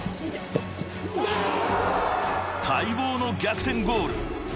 待望の逆転ゴール。